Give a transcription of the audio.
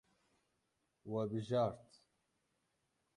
We bijart.